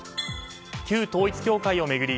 旧統一教会を巡り